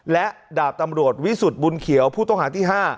และดาบตำรวจวิสุทธิบุญเขียวผู้ต้องหาที่๕